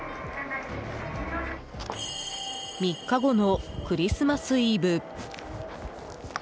３日後のクリスマスイブ。